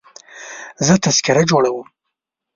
زه تذکره جوړوم.